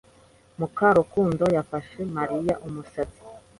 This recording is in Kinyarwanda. Mukarukundo yafashe Mariya umusatsi.